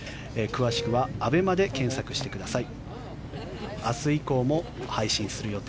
詳しくはＡＢＥＭＡで検索してください。